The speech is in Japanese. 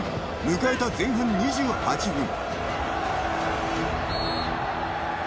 ［迎えた前半２８分］